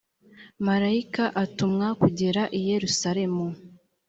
marayika atumwa kugera i yerusalemu